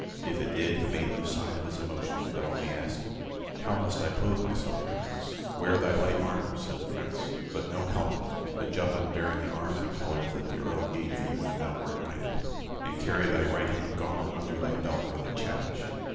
If it did, he made no sign of his emotion, but only asked, "How must I clothe myself, your Highness?" "Wear thy light armor," said the Prince, "but no helmet, a juppon bearing the arms and colors that the Earl gave thee when thou wert knighted, and carry thy right hand gauntlet under thy belt for thy challenge.